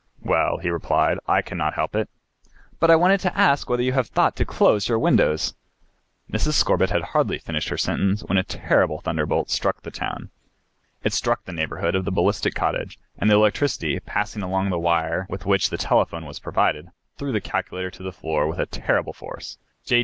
"Well," he replied, "I cannot help it." "But I want to ask whether you have thought to close your windows?" Mrs. Scorbitt had hardly finished her sentence when a terrible thunderbolt struck the town. It struck in the neighborhood of the Ballistic cottage, and the electricity, passing along the wire with which the telephone was provided, threw the calculator to the floor with a terrible force. J.